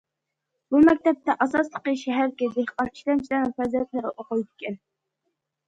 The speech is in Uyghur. بۇ مەكتەپتە ئاساسلىقى شەھەردىكى دېھقان ئىشلەمچىلەرنىڭ پەرزەنتلىرى ئوقۇيدىكەن.